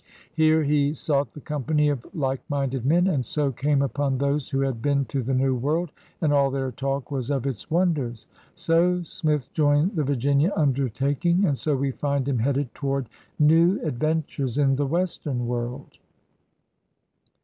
Here he sought the company of like minded men, and so came upon those who had been to the New World —" and all their talk was of its wonders.'' So Smith joined the Virginia undertaking, and so we find hun headed toward new adventures in the western world.